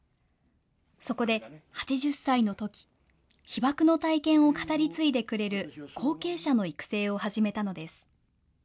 そこで、８０歳のとき、被爆の体験を語り継いでくれる後継者の育成を始めたのです。